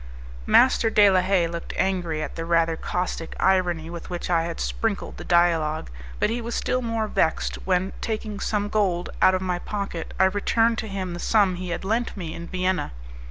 Master de la Haye looked angry at the rather caustic irony with which I had sprinkled the dialogue; but he was still more vexed when, taking some gold out of my pocket, I returned to him the sum he had lent me in Vienna.